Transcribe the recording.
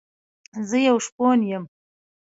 زه يو شپون يم